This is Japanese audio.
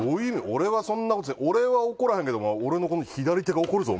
俺はそんなことせえへん俺は怒らへんけど俺のこの左手が怒るぞ